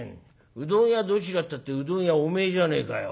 うどん屋どちらったってうどん屋お前じゃねえかよ」。